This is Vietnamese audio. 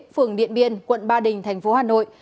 phường điện biên quận ba đình thành phố hà nội